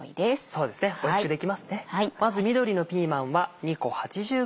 そうですねおいしくできますね。